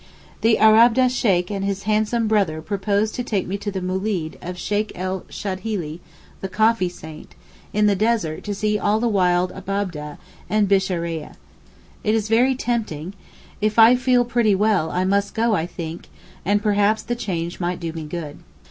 The Abab'deh Sheykh and his handsome brother propose to take me to the moolid of Sheykh el Shadhilee (the coffee saint) in the desert to see all the wild Abab'deh and Bishareeyeh. It is very tempting, if I feel pretty well I must go I think and perhaps the change might do me good.